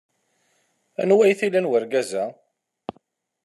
Anwa ay t-ilan wergaz-a?